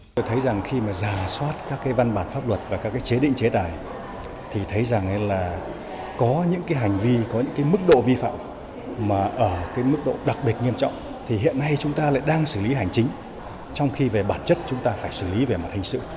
tôi thấy rằng khi mà giả soát các cái văn bản pháp luật và các cái chế định chế tài thì thấy rằng là có những cái hành vi có những cái mức độ vi phạm mà ở cái mức độ đặc biệt nghiêm trọng thì hiện nay chúng ta lại đang xử lý hành chính trong khi về bản chất chúng ta phải xử lý về mặt hình sự